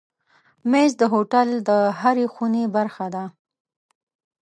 مېز د هوټل د هرې خونې برخه ده.